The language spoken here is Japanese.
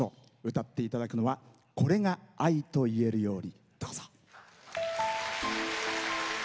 歌っていただくのは「これが愛と言えるように」。